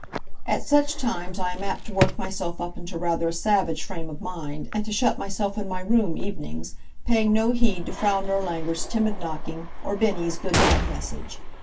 At such times I am apt to work myself up into rather a savage frame of mind, and to shut myself in my room evenings, paying no heed to Frau Nirlanger's timid knocking, or Bennie's good night message.